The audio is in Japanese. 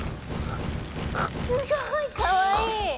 すごいかわいい！